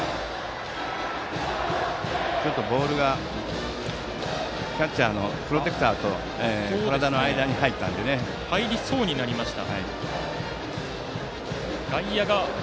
ちょっと、ボールがキャッチャーのプロテクターと入りそうになりました。